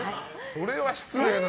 それは、失礼な。